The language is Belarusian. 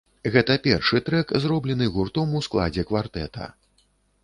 Гэта першы трэк, зроблены гуртом у складзе квартэта.